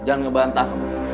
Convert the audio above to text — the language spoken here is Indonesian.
jangan ngebantah kamu